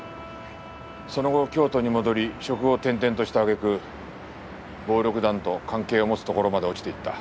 その後京都に戻り職を転々としたあげく暴力団と関係を持つところまで落ちていった。